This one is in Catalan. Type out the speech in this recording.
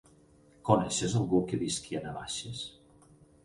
Coneixes algú que visqui a Navaixes?